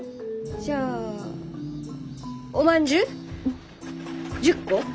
じゃあおまんじゅう１０個。